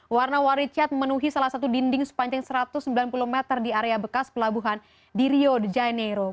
warna wari chat memenuhi salah satu dinding sepanjang satu ratus sembilan puluh meter di area bekas pelabuhan di rio de janeiro